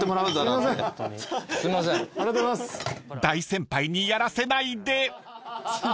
［大先輩にやらせないで！］